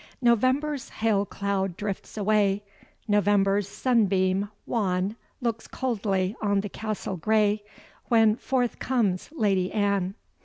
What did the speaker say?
November's hail cloud drifts away, November's sunbeam wan Looks coldly on the castle grey, When forth comes Lady Anne.